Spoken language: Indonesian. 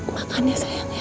makannya sayang ya